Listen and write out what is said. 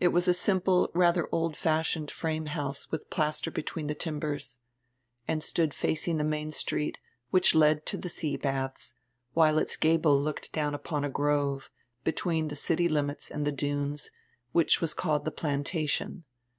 It was a simple, radier old fashioned, frame house widi plaster between die timbers, and stood facing die main street, which led to die sea baths, while its gable looked down upon a grove, between die city limits and die dunes, which was called die "Plantation."